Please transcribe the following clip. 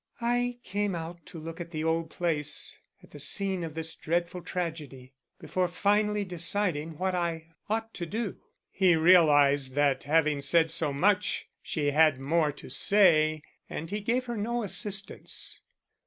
"I came out to look at the old place at the scene of this dreadful tragedy before finally deciding what I ought to do." He realized that having said so much she had more to say, and he gave her no assistance.